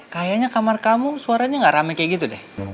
kayaknya kamar kamu suaranya gak rame kayak gitu deh